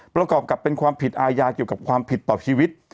ประกอบกับเป็นความผิดอาญาเกี่ยวกับความผิดต่อชีวิต